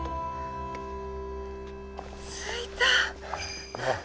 着いた。